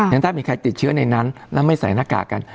งั้นถ้ามีใครติดเชื้อในนั้นแล้วไม่ใส่หน้ากากกัน